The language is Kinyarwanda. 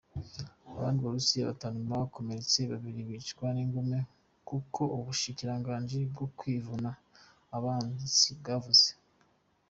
Abandi barusiya batanu bakomeretse, babiri bicwa n'inguma, nkuko ubushikiranganji bwo kwivuna abansi bwavuze.